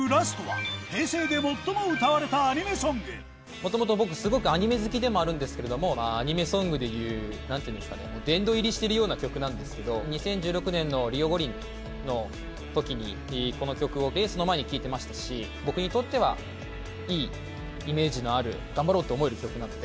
もともと僕、すごくアニメ好きでもあるんですけれども、アニメソングでいう、なんていうんですかね、殿堂入りしてるような曲なんですけど、２０１６年のリオ五輪のときに、この曲をレースの前に聴いてましたし、僕にとってはいいイメージのある、頑張ろうって思える曲なので。